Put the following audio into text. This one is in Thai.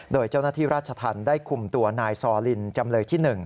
โดยเจ้าหน้าที่ราชธรรมได้คุมตัวนายซอลินจำเลยที่๑